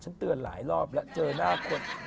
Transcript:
เตือนหลายรอบแล้วเจอหน้าคน